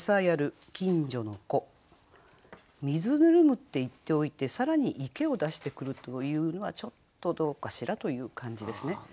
「水温む」って言っておいて更に「池」を出してくるというのはちょっとどうかしらという感じですね。